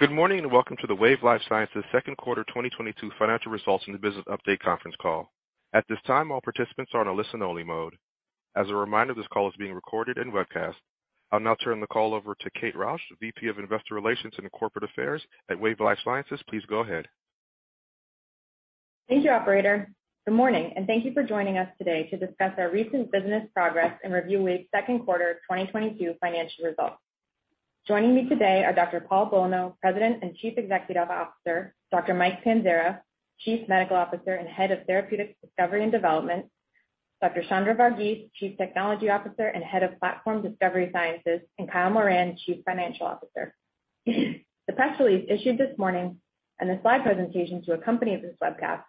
Good morning, and welcome to the Wave Life Sciences second quarter 2022 financial results and the Business Update conference call. At this time, all participants are on a listen-only mode. As a reminder, this call is being recorded and webcast. I'll now turn the call over to Kate Rausch, VP of Investor Relations and Corporate Affairs at Wave Life Sciences. Please go ahead. Thank you, operator. Good morning, and thank you for joining us today to discuss our recent business progress and review Wave's second quarter 2022 financial results. Joining me today are Dr. Paul Bolno, President and Chief Executive Officer, Dr. Mike Panzara, Chief Medical Officer and Head of Therapeutic Discovery and Development, Dr. Chandra Varghese, Chief Technology Officer and Head of Platform Discovery Sciences, and Kyle Moran, Chief Financial Officer. The press release issued this morning and the slide presentation to accompany this webcast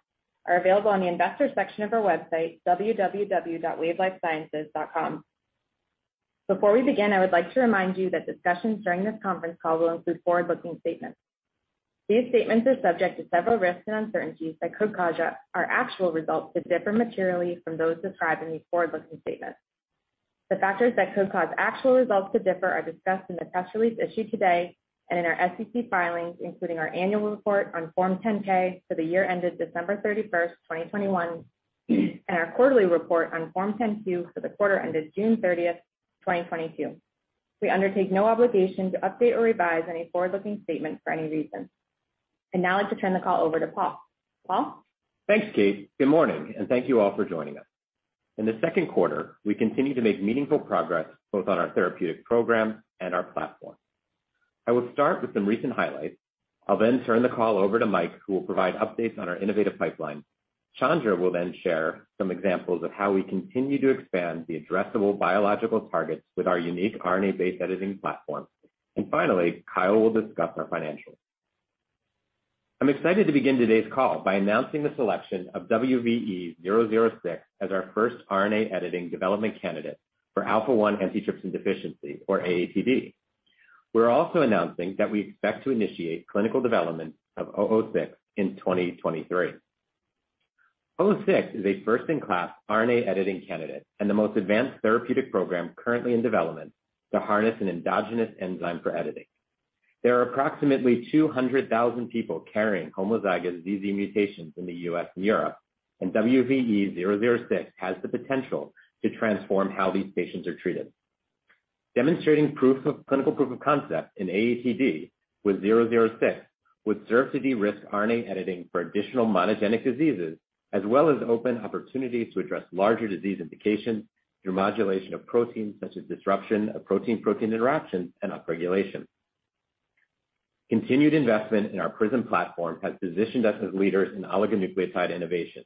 are available on the investor section of our website, www.wavelifesciences.com. Before we begin, I would like to remind you that discussions during this conference call will include forward-looking statements. These statements are subject to several risks and uncertainties that could cause our actual results to differ materially from those described in these forward-looking statements. The factors that could cause actual results to differ are discussed in the press release issued today and in our SEC filings, including our annual report on Form 10-K for the year ended December 31st, 2021, and our quarterly report on Form 10-Q for the quarter ended June 30th, 2022. We undertake no obligation to update or revise any forward-looking statements for any reason. I'd now like to turn the call over to Paul. Paul? Thanks, Kate. Good morning, and thank you all for joining us. In the second quarter, we continued to make meaningful progress both on our therapeutic program and our platform. I will start with some recent highlights. I'll then turn the call over to Mike, who will provide updates on our innovative pipeline. Chandra will then share some examples of how we continue to expand the addressable biological targets with our unique RNA-based editing platform. Finally, Kyle will discuss our financials. I'm excited to begin today's call by announcing the selection of WVE-006 as our first RNA editing development candidate for alpha-1 antitrypsin deficiency, or AATD. We're also announcing that we expect to initiate clinical development of 006 in 2023. WVE-006 is a first-in-class RNA editing candidate and the most advanced therapeutic program currently in development to harness an endogenous enzyme for editing. There are approximately 200,000 people carrying homozygous ZZ mutations in the U.S. and Europe, and WVE-006 has the potential to transform how these patients are treated. Demonstrating clinical proof of concept in AATD with WVE-006 would serve to de-risk RNA editing for additional monogenic diseases, as well as open opportunities to address larger disease indications through modulation of proteins such as disruption of protein-protein interaction and upregulation. Continued investment in our PRISM platform has positioned us as leaders in oligonucleotide innovation,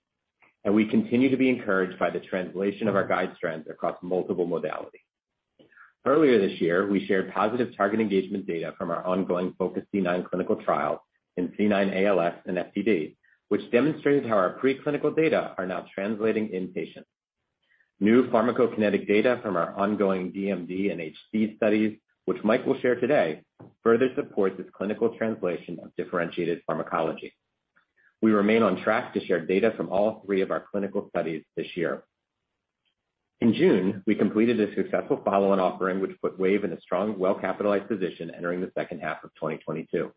and we continue to be encouraged by the translation of our guide strands across multiple modalities. Earlier this year, we shared positive target engagement data from our ongoing FOCUS-C9 clinical trial in C9 ALS and FTD, which demonstrated how our preclinical data are now translating in patients. New pharmacokinetic data from our ongoing DMD and HD studies, which Mike will share today, further supports this clinical translation of differentiated pharmacology. We remain on track to share data from all three of our clinical studies this year. In June, we completed a successful follow-on offering which put Wave in a strong, well-capitalized position entering the second half of 2022.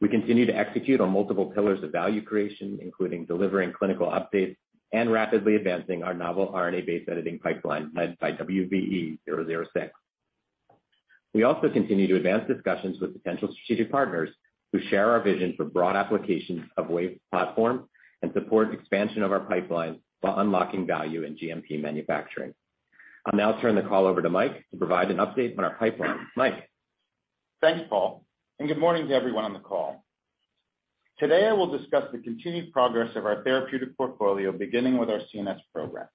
We continue to execute on multiple pillars of value creation, including delivering clinical updates and rapidly advancing our novel RNA-based editing pipeline led by WVE-006. We also continue to advance discussions with potential strategic partners who share our vision for broad applications of Wave platform and support expansion of our pipeline while unlocking value in GMP manufacturing. I'll now turn the call over to Mike to provide an update on our pipeline. Mike? Thanks, Paul, and good morning to everyone on the call. Today, I will discuss the continued progress of our therapeutic portfolio, beginning with our CNS programs.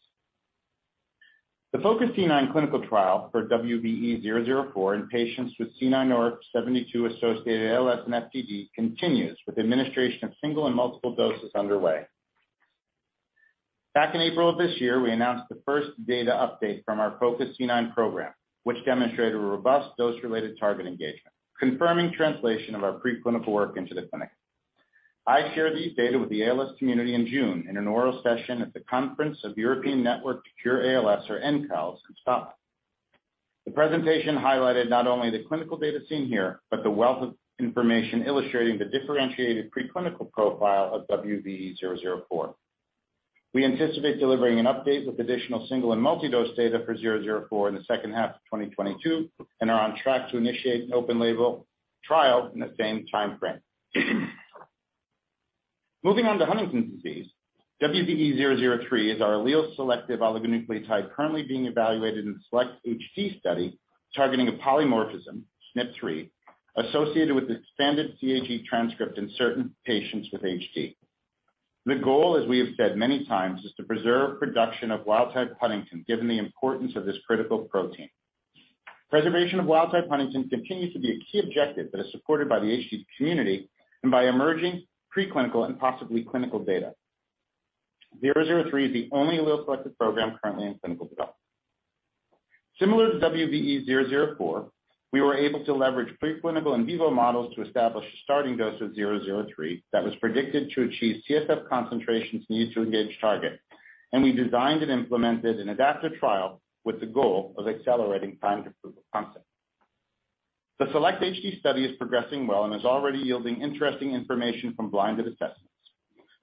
The FOCUS-C9 clinical trial for WVE-004 in patients with C9orf72-associated ALS and FTD continues, with administration of single and multiple doses underway. Back in April of this year, we announced the first data update from our FOCUS-C9 program, which demonstrated a robust dose-related target engagement, confirming translation of our preclinical work into the clinic. I shared these data with the ALS community in June in an oral session at the Conference of European Network to Cure ALS, or ENCALS, in Scotland. The presentation highlighted not only the clinical data seen here, but the wealth of information illustrating the differentiated preclinical profile of WVE-004. We anticipate delivering an update with additional single and multi-dose data for WVE-004 in the second half of 2022, and are on track to initiate an open label trial in the same timeframe. Moving on to Huntington's disease, WVE-003 is our allele-selective oligonucleotide currently being evaluated in a SELECT-HD study targeting a polymorphism, SNP3, associated with expanded CAG transcript in certain patients with HD. The goal, as we have said many times, is to preserve production of wild-type huntingtin, given the importance of this critical protein. Preservation of wild-type huntingtin continues to be a key objective that is supported by the HD community and by emerging preclinical and possibly clinical data. WVE-003 is the only allele-selective program currently in clinical development. Similar to WVE-004, we were able to leverage preclinical in vivo models to establish a starting dose of WVE-003 that was predicted to achieve CSF concentrations needed to engage target. We designed and implemented an adaptive trial with the goal of accelerating time to proof of concept. The SELECT-HD study is progressing well and is already yielding interesting information from blinded assessments.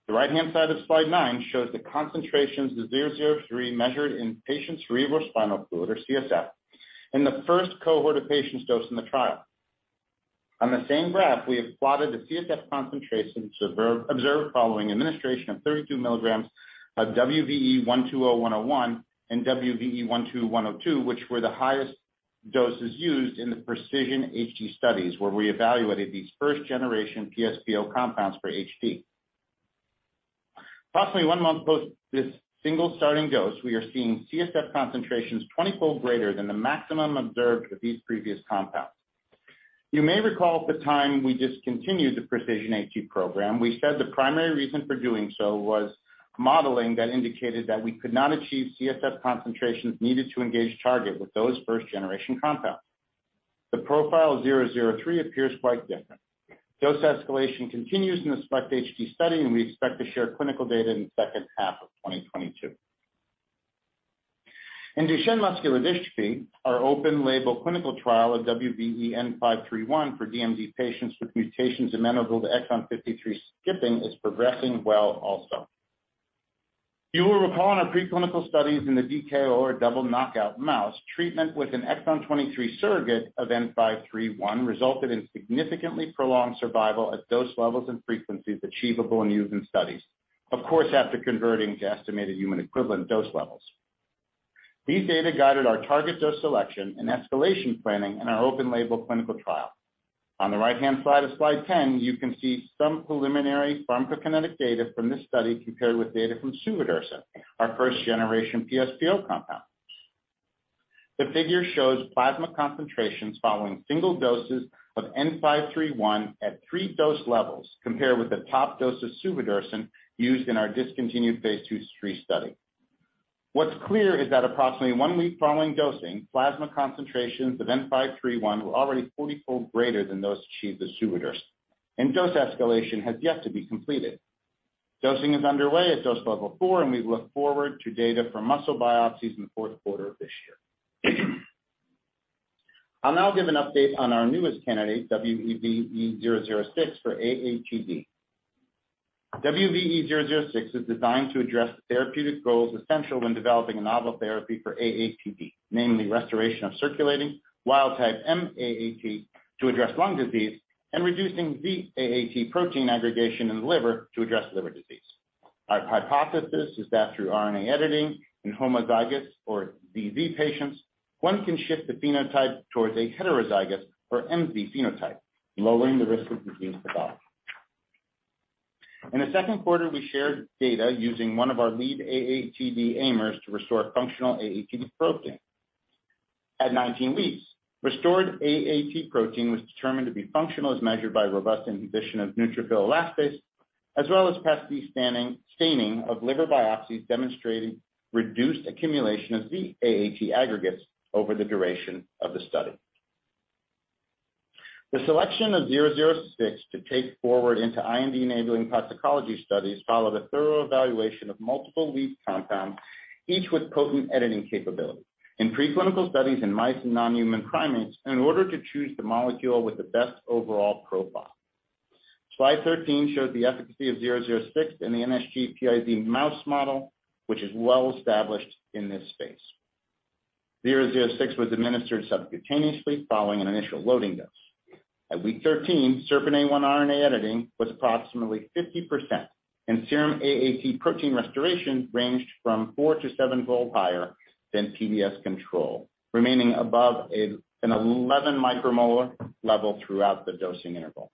The right-hand side of slide nine shows the concentrations of WVE-003 measured in patient cerebrospinal fluid or CSF in the first cohort of patients dosed in the trial. On the same graph, we have plotted the CSF concentrations observed following administration of 32 mg of WVE-120101 and WVE-120102, which were the highest doses used in the PRECISION-HD studies, where we evaluated these first generation PS/PO compounds for HD. Approximately one month post this single starting dose, we are seeing CSF concentrations 20-fold greater than the maximum observed with these previous compounds. You may recall at the time we discontinued the PRECISION-HD program, we said the primary reason for doing so was modeling that indicated that we could not achieve CSF concentrations needed to engage target with those first generation compounds. The profile WVE-003 appears quite different. Dose escalation continues in the SELECT-HD study, and we expect to share clinical data in the second half of 2022. In Duchenne muscular dystrophy, our open label clinical trial of WVE-N531 for DMD patients with mutations amenable to exon 53 skipping is progressing well also. You will recall in our preclinical studies in the DKO or double knockout mouse, treatment with an exon 23 surrogate of N531 resulted in significantly prolonged survival at dose levels and frequencies achievable in human studies. Of course, after converting to estimated human equivalent dose levels. These data guided our target dose selection and escalation planning in our open label clinical trial. On the right-hand side of slide 10, you can see some preliminary pharmacokinetic data from this study compared with data from suvodirsen, our first generation PS/PO compound. The figure shows plasma concentrations following single doses of N531 at three dose levels compared with the top dose of suvodirsen used in our discontinued phase II/III study. What's clear is that approximately one week following dosing, plasma concentrations of WVE-N531 were already 40-fold greater than those achieved with suvodirsen, and dose escalation has yet to be completed. Dosing is underway at dose level 4, and we look forward to data from muscle biopsies in the fourth quarter of this year. I'll now give an update on our newest candidate, WVE-006 for AATD. WVE-006 is designed to address the therapeutic goals essential when developing a novel therapy for AATD, namely restoration of circulating wild-type M-AAT to address lung disease and reducing Z-AAT protein aggregation in the liver to address liver disease. Our hypothesis is that through RNA editing in homozygous ZZ patients, one can shift the phenotype towards a heterozygous MZ phenotype, lowering the risk of disease pathology. In the second quarter, we shared data using one of our lead AATD AIMers to restore functional AAT protein. At 19 weeks, restored AAT protein was determined to be functional as measured by robust inhibition of neutrophil elastase as well as PAS-D staining of liver biopsies demonstrating reduced accumulation of Z-AAT aggregates over the duration of the study. The selection of WVE-006 to take forward into IND-enabling toxicology studies followed a thorough evaluation of multiple lead compounds, each with potent editing capability. In preclinical studies in mice and non-human primates, in order to choose the molecule with the best overall profile. Slide 13 shows the efficacy of WVE-006 in the NSG-PiZ mouse model, which is well established in this space. WVE-006 was administered subcutaneously following an initial loading dose. At week 13, SERPINA1 RNA editing was approximately 50%, and serum AAT protein restoration ranged from four to seven-fold higher than PBS control, remaining above an 11 micromolar level throughout the dosing interval.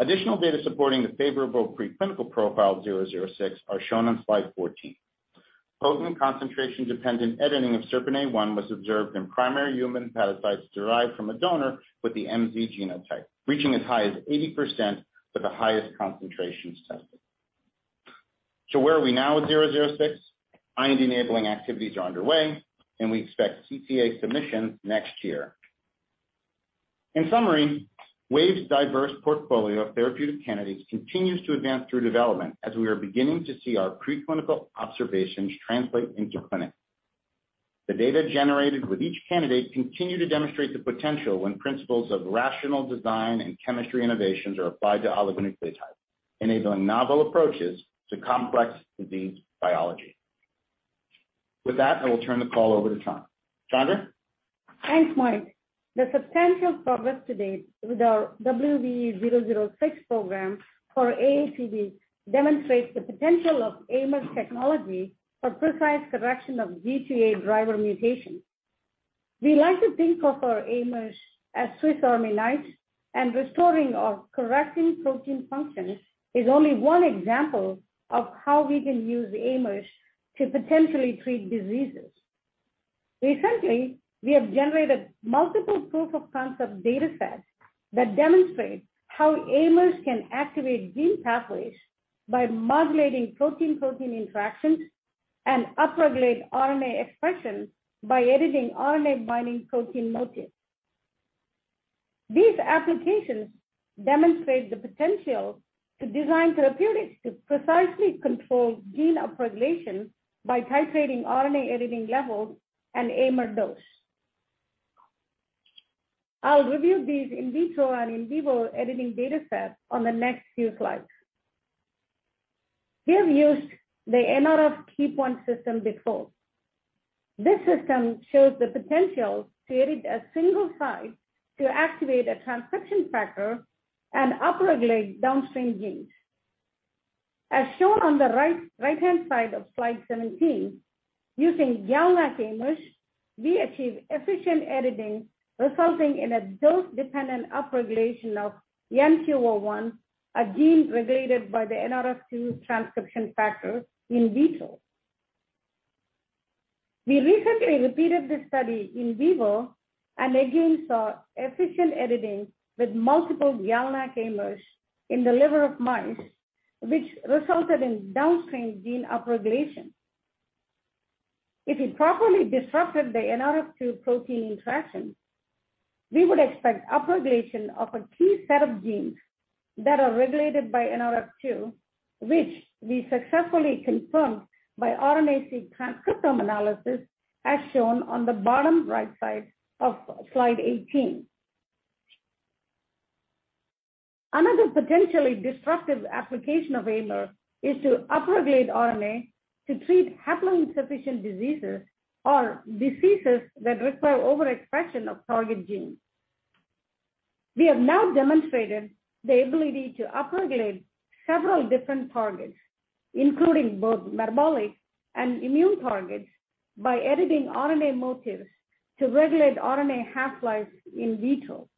Additional data supporting the favorable preclinical profile of WVE-006 are shown on slide 14. Potent concentration-dependent editing of SERPINA1 was observed in primary human hepatocytes derived from a donor with the MZ genotype, reaching as high as 80% for the highest concentrations tested. Where are we now with WVE-006? IND-enabling activities are underway, and we expect CTA submission next year. In summary, Wave's diverse portfolio of therapeutic candidates continues to advance through development as we are beginning to see our preclinical observations translate into the clinic. The data generated with each candidate continue to demonstrate the potential when principles of rational design and chemistry innovations are applied to oligonucleotide, enabling novel approaches to complex disease biology. With that, I will turn the call over to Chandra. Chandra? Thanks, Mike. The substantial progress to date with our WVE-006 program for AATD demonstrates the potential of AIMers technology for precise correction of Z-AAT driver mutations. We like to think of our AIMers as Swiss Army knives, and restoring or correcting protein functions is only one example of how we can use AIMers to potentially treat diseases. Recently, we have generated multiple proof of concept datasets that demonstrate how AIMers can activate gene pathways by modulating protein-protein interactions and upregulate RNA expression by editing RNA binding protein motifs. These applications demonstrate the potential to design therapeutics to precisely control gene upregulation by titrating RNA editing levels and AIMer dose. I'll review these in vitro and in vivo editing data sets on the next few slides. We have used the NRF2-KEAP1 system before. This system shows the potential to edit a single site to activate a transcription factor and upregulate downstream genes. As shown on the right-hand side of slide 17, using GalNAc AIMers, we achieve efficient editing, resulting in a dose-dependent upregulation of NQO1, a gene regulated by the NRF2 transcription factor in vitro. We recently repeated this study in vivo and again saw efficient editing with multiple GalNAc AIMers in the liver of mice, which resulted in downstream gene upregulation. If we properly disrupted the NRF2 protein interaction, we would expect upregulation of a key set of genes that are regulated by NRF2, which we successfully confirmed by RNA-Seq transcriptome analysis, as shown on the bottom right side of slide 18. Another potentially disruptive application of AIMer is to upregulate RNA to treat haploinsufficient diseases or diseases that require overexpression of target genes. We have now demonstrated the ability to upregulate several different targets, including both metabolic and immune targets, by editing RNA motifs to regulate RNA half-life in vitro.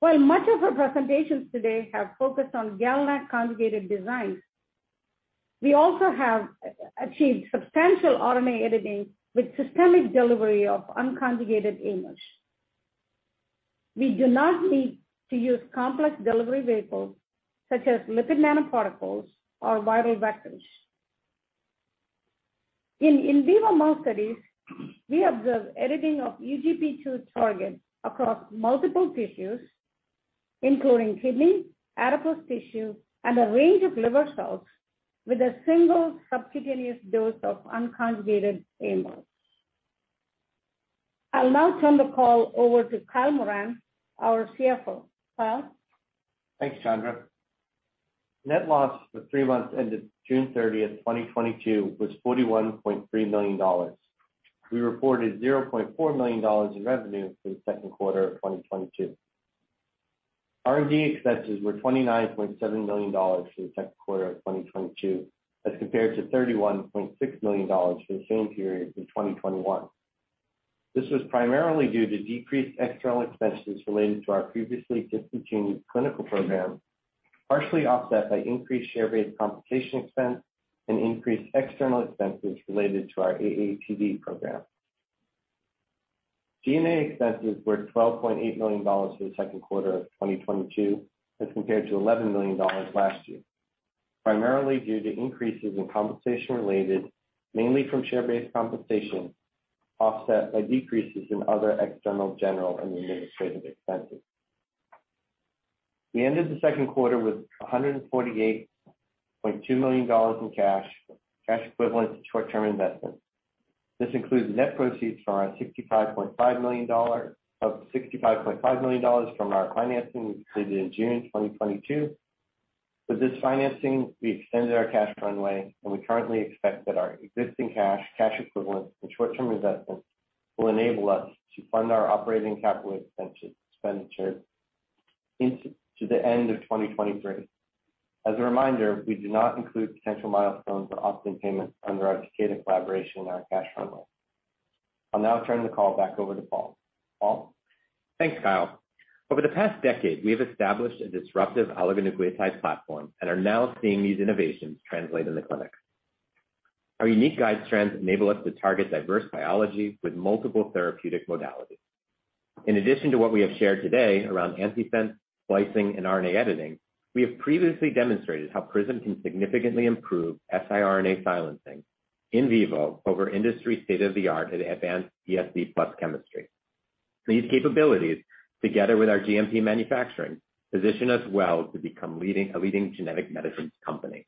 While much of our presentations today have focused on GalNAc conjugated designs, we also have achieved substantial RNA editing with systemic delivery of unconjugated AIMers. We do not need to use complex delivery vehicles such as lipid nanoparticles or viral vectors. In vivo mouse studies, we observe editing of UGP2 targets across multiple tissues, including kidney, adipose tissue, and a range of liver cells with a single subcutaneous dose of unconjugated AIMers. I'll now turn the call over to Kyle Moran, our CFO. Kyle? Thanks, Chandra. Net loss for three months ended June 30th, 2022 was $41.3 million. We reported $0.4 million in revenue for the second quarter of 2022. R&D expenses were $29.7 million for the second quarter of 2022, as compared to $31.6 million for the same period in 2021. This was primarily due to decreased external expenses related to our previously discontinued clinical program, partially offset by increased share-based compensation expense and increased external expenses related to our AATD program. G&A expenses were $12.8 million for the second quarter of 2022, as compared to $11 million last year, primarily due to increases in compensation related mainly from share-based compensation, offset by decreases in other external general and administrative expenses. We ended the second quarter with $148.2 million in cash equivalents, and short-term investments. This includes net proceeds of $65.5 million from our financing we completed in June 2022. With this financing, we extended our cash runway, and we currently expect that our existing cash equivalents, and short-term investments will enable us to fund our operating capital expenditure into the end of 2023. As a reminder, we do not include potential milestones or upfront payments under our Takeda collaboration in our cash runway. I'll now turn the call back over to Paul. Paul? Thanks, Kyle. Over the past decade, we have established a disruptive oligonucleotide platform and are now seeing these innovations translate in the clinic. Our unique guide strands enable us to target diverse biology with multiple therapeutic modalities. In addition to what we have shared today around antisense splicing and RNA editing, we have previously demonstrated how PRISM can significantly improve siRNA silencing in vivo over industry state-of-the-art and advanced PS/PO chemistry. These capabilities, together with our GMP manufacturing, position us well to become a leading genetic medicines company.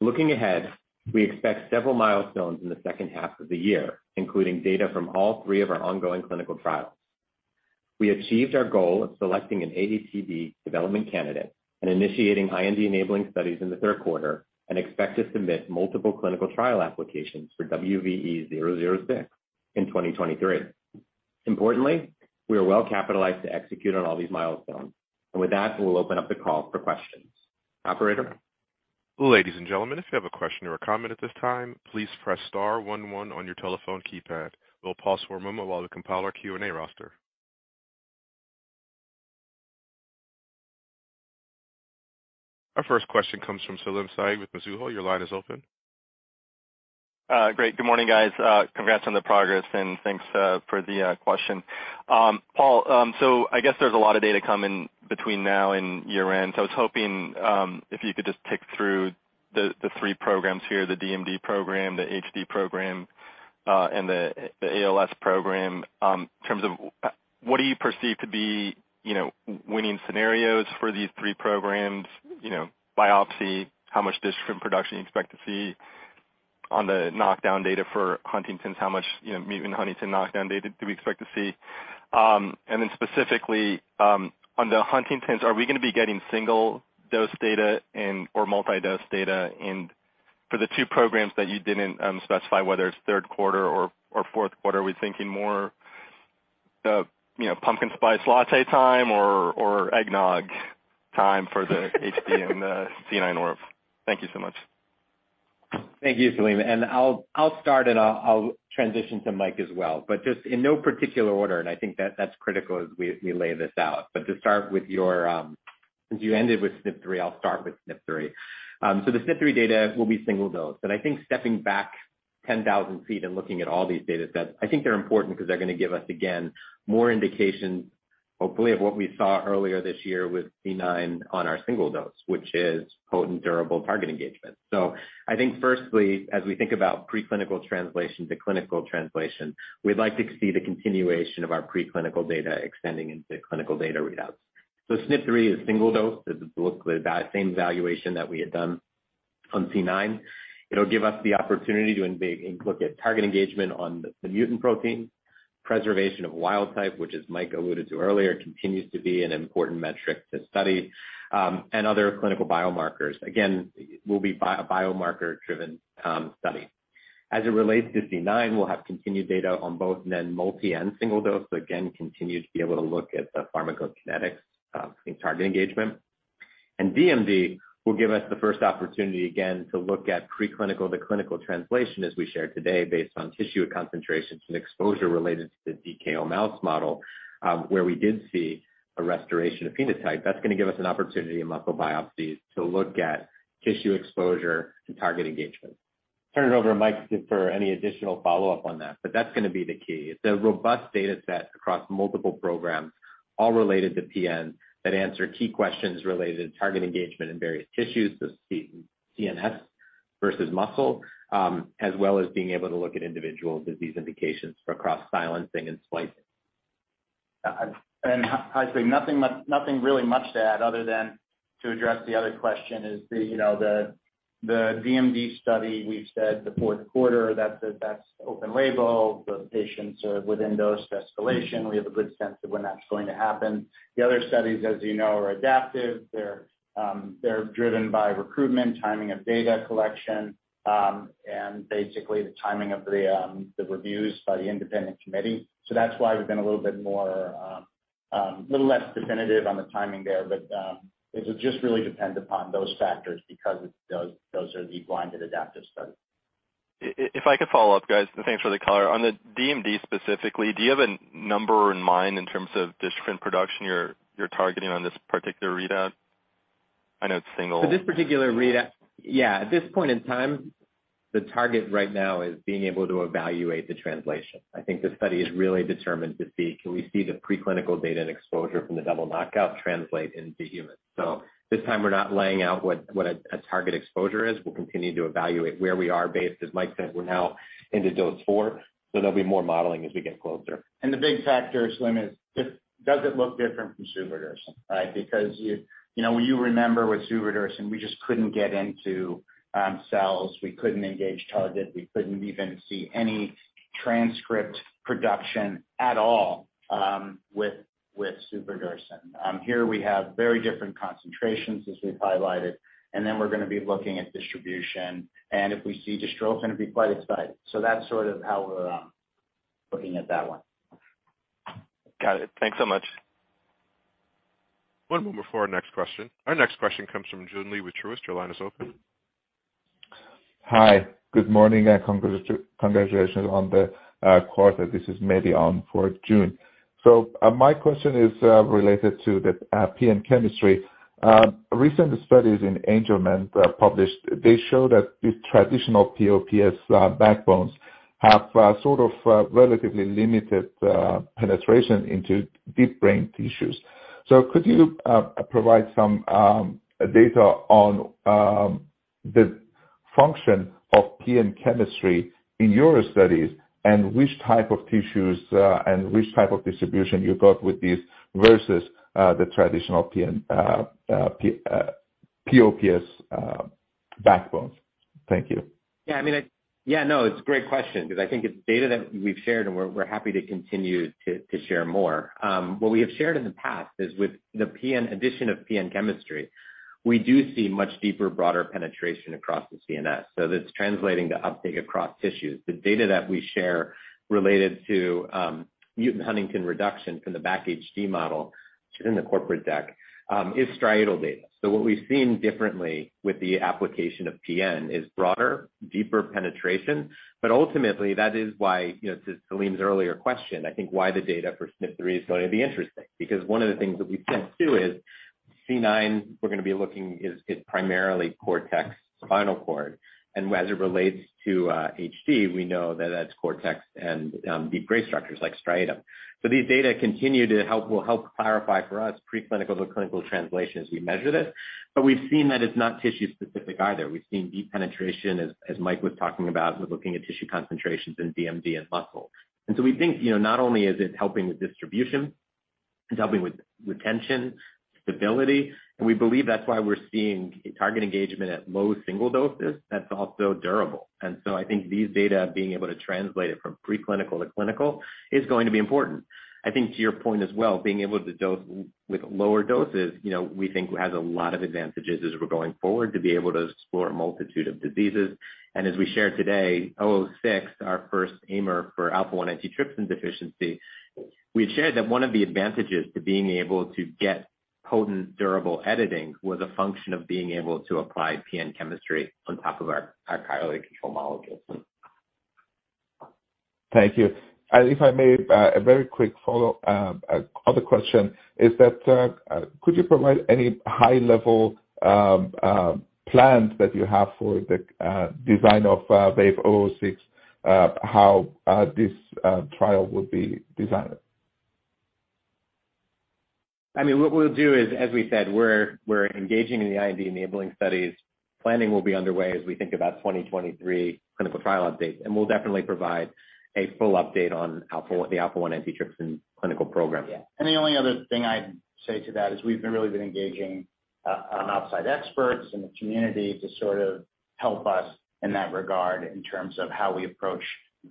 Looking ahead, we expect several milestones in the second half of the year, including data from all three of our ongoing clinical trials. We achieved our goal of selecting an AATD development candidate and initiating IND-enabling studies in the third quarter and expect to submit multiple clinical trial applications for WVE-006 in 2023. Importantly, we are well-capitalized to execute on all these milestones. With that, we'll open up the call for questions. Operator? Ladies and gentlemen, if you have a question or a comment at this time, please press star one one on your telephone keypad. We'll pause for a moment while we compile our Q&A roster. Our first question comes from Salim Syed with Mizuho. Your line is open. Great. Good morning, guys. Congrats on the progress, and thanks for the question. Paul, I guess there's a lot of data coming between now and year-end. I was hoping, if you could just pick through The three programs here, the DMD program, the HD program, and the ALS program, in terms of what do you perceive to be, you know, winning scenarios for these three programs, you know, vice versa, how much dystrophin production you expect to see on the knockdown data for Huntington's, how much, you know, mutant huntingtin knockdown data do we expect to see? And then specifically, on the Huntington's, are we gonna be getting single dose data and/or multi-dose data? For the two programs that you didn't specify whether it's third quarter or fourth quarter, are we thinking more, you know, pumpkin spice latte time or eggnog time for the HD and the C9orf72? Thank you so much. Thank you, Salim. I'll start and I'll transition to Mike as well. Just in no particular order, and I think that's critical as we lay this out. To start with your since you ended with SNP3, I'll start with SNP3. The SNP3 data will be single dose. I think stepping back ten thousand feet and looking at all these data sets, I think they're important because they're gonna give us, again, more indication, hopefully, of what we saw earlier this year with C9 on our single dose, which is potent, durable target engagement. I think firstly, as we think about preclinical translation to clinical translation, we'd like to see the continuation of our preclinical data extending into clinical data readouts. SNP3 is single dose. This is the same valuation that we had done on C9. It'll give us the opportunity to look at target engagement on the mutant protein, preservation of wild type, which as Mike alluded to earlier, continues to be an important metric to study, and other clinical biomarkers. Again, it will be a biomarker-driven study. As it relates to C9, we'll have continued data on both the multi and single dose. Again, continue to be able to look at the pharmacokinetics and target engagement. DMD will give us the first opportunity again to look at preclinical to clinical translation as we shared today based on tissue concentrations and exposure related to the DKO mouse model, where we did see a restoration of phenotype. That's gonna give us an opportunity in muscle biopsies to look at tissue exposure to target engagement. Turn it over to Mike for any additional follow-up on that, but that's gonna be the key. It's a robust data set across multiple programs, all related to PN that answer key questions related to target engagement in various tissues, the CNS versus muscle, as well as being able to look at individual disease indications for cross silencing and splicing. I think nothing really much to add other than to address the other question, is the, you know, the DMD study. We've said the fourth quarter. That's the open label. The patients are within dose escalation. We have a good sense of when that's going to happen. The other studies, as you know, are adaptive. They're driven by recruitment, timing of data collection, and basically the timing of the reviews by the independent committee. That's why we've been a little bit more little less definitive on the timing there. It just really depends upon those factors because those are the blinded adaptive studies. If I could follow up, guys, thanks for the color. On the DMD specifically, do you have a number in mind in terms of dystrophin production you're targeting on this particular readout? I know it's single. This particular readout, yeah, at this point in time, the target right now is being able to evaluate the translation. I think the study is really determined to see, can we see the preclinical data and exposure from the double knockout translate into humans? This time we're not laying out what a target exposure is. We'll continue to evaluate where we are based, as Mike said, we're now into dose four, so there'll be more modeling as we get closer. The big factor, Salim, is does it look different from suvodirsen, right? Because you know, when you remember with suvodirsen, we just couldn't get into cells. We couldn't engage target. We couldn't even see any transcript production at all with suvodirsen. Here we have very different concentrations as we've highlighted, and then we're gonna be looking at distribution. If we see dystrophin, we'll be quite excited. That's sort of how we're looking at that one. Got it. Thanks so much. One moment before our next question. Our next question comes from Joon Lee with Truist. Your line is open. Hi. Good morning, and congratulations on the quarter. This is for Medi on for Joon. My question is related to the PN chemistry. Recent studies in Angelman published, they show that the traditional PS/PO backbones have sort of relatively limited penetration into deep brain tissues. Could you provide some data on the function of PN chemistry in your studies and which type of tissues and which type of distribution you got with these versus the traditional PS/PO backbones? Thank you. Yeah, I mean, yeah, no, it's a great question because I think it's data that we've shared, and we're happy to continue to share more. What we have shared in the past is with the addition of PN chemistry, we do see much deeper, broader penetration across the CNS. So that's translating to uptake across tissues. The data that we share related to mutant huntingtin reduction from the BACHD model, which is in the corporate deck, is striatal data. So what we've seen differently with the application of PN is broader, deeper penetration. But ultimately, that is why, you know, to Salim's earlier question, I think why the data for SNP3 is going to be interesting. Because one of the things that we've seen too is C9, we're gonna be looking is primarily cortex, spinal cord. As it relates to HD, we know that that's cortex and deep gray structures like striatum. These data will help clarify for us preclinical to clinical translation as we measure this. But we've seen that it's not tissue specific either. We've seen deep penetration as Mike was talking about, with looking at tissue concentrations in DMD and muscle. We think, you know, not only is it helping with distribution, it's helping with retention, stability, and we believe that's why we're seeing target engagement at low single doses that's also durable. I think these data being able to translate it from preclinical to clinical is going to be important. I think to your point as well, being able to dose with lower doses, you know, we think has a lot of advantages as we're going forward to be able to explore a multitude of diseases. As we shared today, WVE-006, our first AIMer for alpha-1 antitrypsin deficiency, we had shared that one of the advantages to being able to get potent durable editing was a function of being able to apply PN chemistry on top of our stereocontrol molecules. Thank you. If I may, a very quick follow-up. Another question is that, could you provide any high-level plans that you have for the design of Wave WVE-006, how this trial will be designed? I mean, what we'll do is, as we said, we're engaging in the IND-enabling studies. Planning will be underway as we think about 2023 clinical trial updates, and we'll definitely provide a full update on alpha-1 antitrypsin clinical program. Yeah. The only other thing I'd say to that is we've been really engaging on outside experts in the community to sort of help us in that regard in terms of how we approach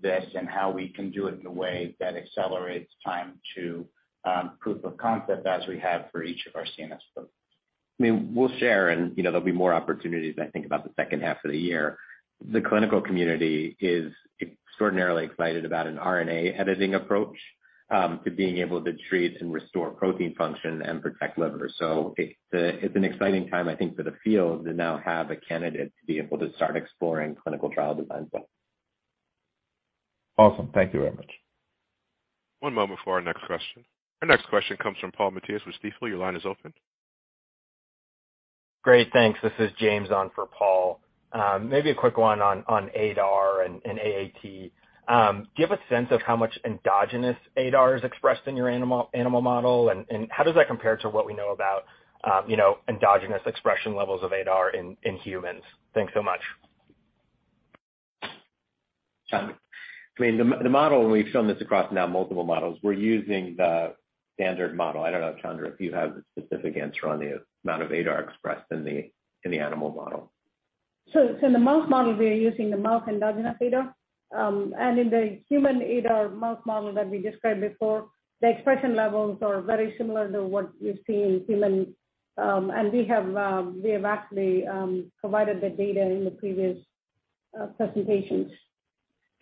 this and how we can do it in a way that accelerates time to proof of concept as we have for each of our CNS folks. I mean, we'll share and, you know, there'll be more opportunities, I think about the second half of the year. The clinical community is extraordinarily excited about an RNA editing approach to being able to treat and restore protein function and protect liver. It's an exciting time, I think for the field to now have a candidate to be able to start exploring clinical trial designs with. Awesome. Thank you very much. One moment before our next question. Our next question comes from Paul Matteis with Stifel. Your line is open. Great, thanks. This is James on for Paul. Maybe a quick one on ADAR and AAT. Do you have a sense of how much endogenous ADAR is expressed in your animal model? How does that compare to what we know about you know endogenous expression levels of ADAR in humans? Thanks so much. Chandra. I mean, the model, we've shown this across now multiple models, we're using the standard model. I don't know, Chandra, if you have a specific answer on the amount of ADAR expressed in the animal model. In the mouse model, we are using the mouse endogenous ADAR. In the human ADAR mouse model that we described before, the expression levels are very similar to what we see in humans. We have actually provided the data in the previous presentations.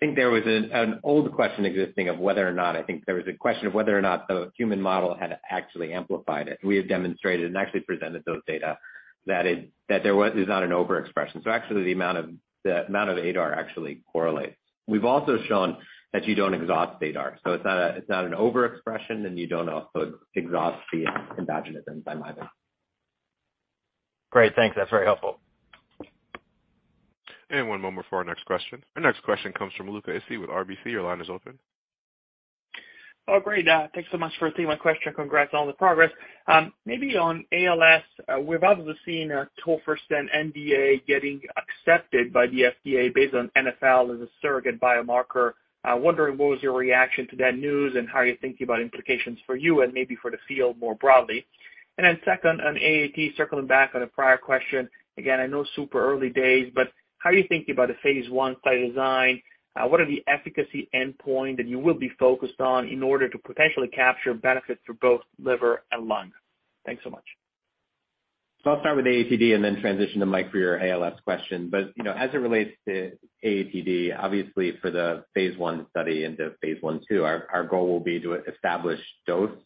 I think there was an old question of whether or not the human model had actually amplified it. We have demonstrated and actually presented those data that there is not an overexpression. Actually the amount of ADAR actually correlates. We've also shown that you don't exhaust ADAR, so it's not an overexpression, and you don't also exhaust the endogenous by my understanding. Great. Thanks. That's very helpful. One moment before our next question. Our next question comes from Luca Issi with RBC. Your line is open. Oh, great. Thanks so much for taking my question. Congrats on the progress. Maybe on ALS, we've obviously seen tofersen NDA getting accepted by the FDA based on NfL as a surrogate biomarker. Wondering what was your reaction to that news and how you're thinking about implications for you and maybe for the field more broadly. Second, on AAT, circling back on a prior question. Again, I know super early days, but how are you thinking about the phase I study design? What are the efficacy endpoint that you will be focused on in order to potentially capture benefits for both liver and lung? Thanks so much. I'll start with the AATD and then transition to Mike for your ALS question. You know, as it relates to AATD, obviously for the phase I study into phase I/II, our goal will be to establish dose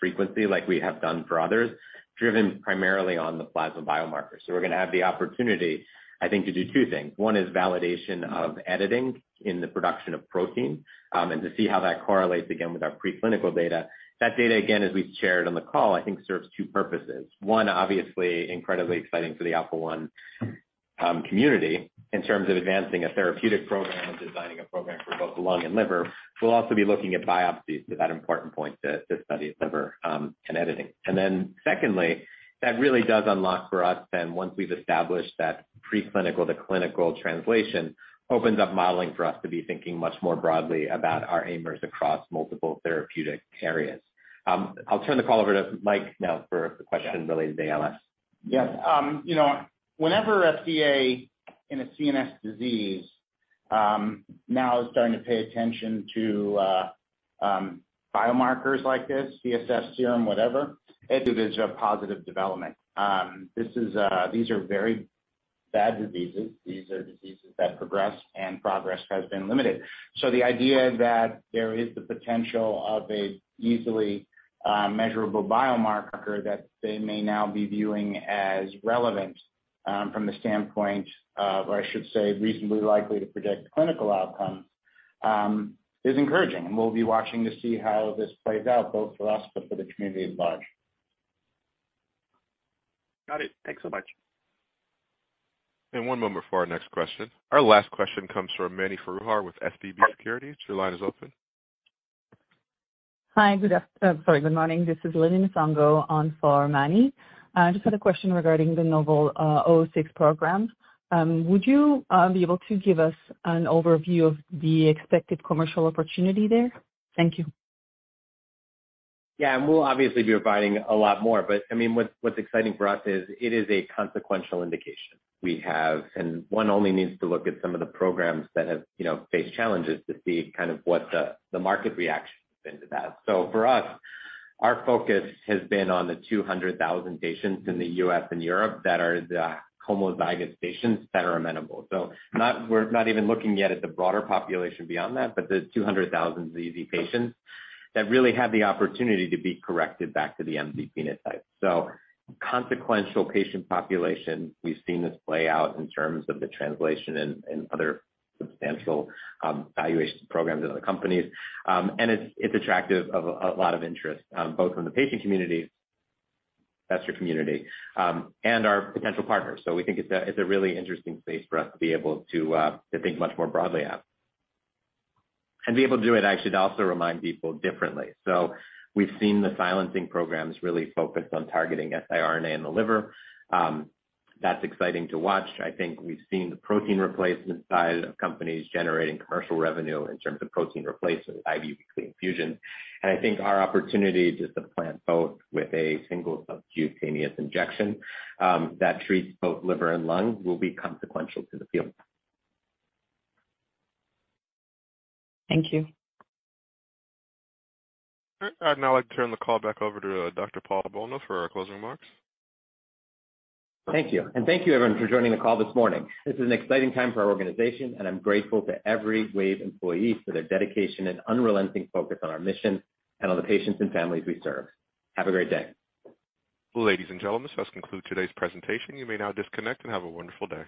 frequency like we have done for others, driven primarily on the plasma biomarkers. We're gonna have the opportunity, I think, to do two things. One is validation of editing in the production of protein, and to see how that correlates again with our preclinical data. That data, again, as we've shared on the call, I think serves two purposes. One, obviously incredibly exciting for the alpha-1 community in terms of advancing a therapeutic program and designing a program for both lung and liver. We'll also be looking at biopsies to that important point to study liver and editing. Secondly, that really does unlock for us then once we've established that preclinical to clinical translation opens up modeling for us to be thinking much more broadly about our AIMers across multiple therapeutic areas. I'll turn the call over to Mike now for the question related to ALS. Yes. You know, whenever FDA in a CNS disease, now is starting to pay attention to, biomarkers like this, CSF serum, whatever, it is a positive development. This is, these are very bad diseases. These are diseases that progress and progress has been limited. The idea that there is the potential of a easily, measurable biomarker that they may now be viewing as relevant, from the standpoint of, or I should say, reasonably likely to predict clinical outcomes is encouraging, and we'll be watching to see how this plays out, both for us but for the community at large. Got it. Thanks so much. One moment for our next question. Our last question comes from Mani Foroohar with SVB Securities. Your line is open. Hi, good morning. This is Lily Misango on for Mani Foroohar. I just had a question regarding the novel WVE-006 program. Would you be able to give us an overview of the expected commercial opportunity there? Thank you. We'll obviously be providing a lot more, but I mean, what's exciting for us is it is a consequential indication. We have and one only needs to look at some of the programs that have, you know, faced challenges to see kind of what the market reaction's been to that. Our focus has been on the 200,000 patients in the U.S. and Europe that are the homozygous patients that are amenable. We're not even looking yet at the broader population beyond that, but the 200,000 ZZ patients that really have the opportunity to be corrected back to the MZ phenotype. Consequential patient population, we've seen this play out in terms of the translation in other substantial valuation programs at other companies. It's attracts a lot of interest both from the patient community, investor community, and our potential partners. We think it's a really interesting space for us to be able to think much more broadly about. Be able to do it differently. I should also remind people. We've seen the silencing programs really focused on targeting siRNA in the liver. That's exciting to watch. I think we've seen the protein replacement side of companies generating commercial revenue in terms of protein replacement, IV weekly infusions. I think our opportunity to impact both with a single subcutaneous injection that treats both liver and lung will be consequential to the field. Thank you. All right. I'd now like to turn the call back over to Dr. Paul Bolno for our closing remarks. Thank you. Thank you everyone for joining the call this morning. This is an exciting time for our organization, and I'm grateful to every Wave employee for their dedication and unrelenting focus on our mission and on the patients and families we serve. Have a great day. Ladies and gentlemen, this does conclude today's presentation. You may now disconnect and have a wonderful day.